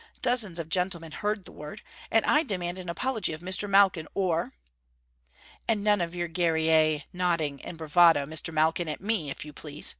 Dozens of gentlemen heard the word. And I demand an apology of Misterr Malkin or...! And none of your guerrier nodding and bravado, Mister Malkin, at me, if you please.